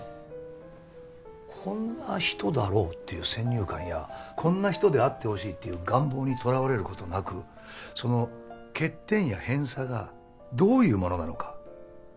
こんな人だろうっていう先入観やこんな人であってほしいっていう願望にとらわれることなくその欠点やヘンさがどういうものなのか。